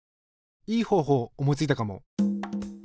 いい方法思いついたかも。